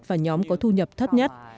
và nhóm có thu nhập thấp nhất